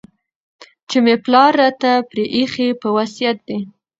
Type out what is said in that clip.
چي مي پلار راته پرې ایښی په وصیت دی